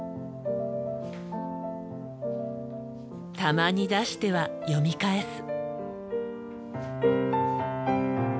たまに出しては読み返す。